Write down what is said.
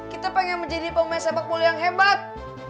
kita pengen menjadi pemain sepak bola yang hebat